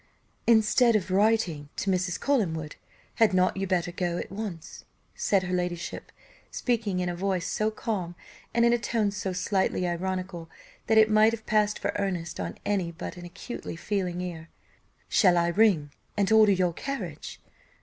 "Instead of writing to Mrs. Collingwood, had not you better go at once?" said her ladyship, speaking in a voice so calm, and in a tone so slightly ironical, that it might have passed for earnest on any but an acutely feeling ear "Shall I ring, and order your carriage?"